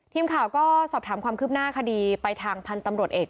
ทีมข่าวก็สอบถามความคืบหน้าคดีไปทางพันธุ์ตำรวจเอก